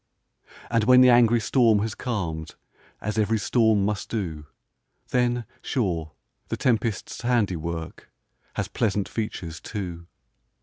And when the angry storm has calm'd, As ev'ry storm must do, Then, sure, the tempest's handiwork, Has pleasant features, too.